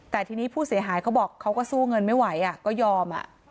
แต่ทีนี้ผู้เสียหายเขาบอกเขาก็สู้เงินไม่ไหวก็ยอม